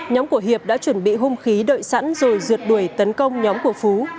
nhóm của hiệp đã chuẩn bị hung khí đợi sẵn rồi rượt đuổi tấn công nhóm của phú